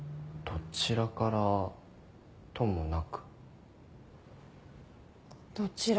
どちらからともなくだよね。